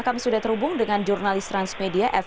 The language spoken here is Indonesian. kami sudah terhubung dengan jurnalis transmedia